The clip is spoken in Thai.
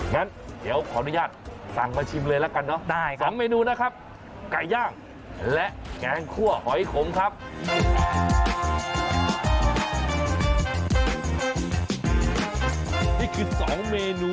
งั้นเดี๋ยวขออนุญาตสั่งมาชิมเลยแล้วกันนะ